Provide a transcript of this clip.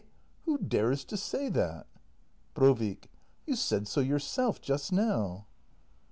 Who dares to say that ? Brovik. You said so yourself just now.